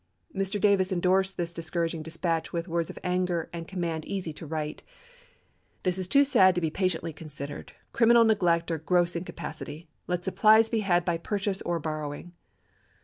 Mr. Davis indorsed this discouraging dispatch with words of anger and command easy to write :" This is too sad to be patiently considered ;... criminal neglect or gross incapacity. .. Let supplies be had by purchase or borrowing."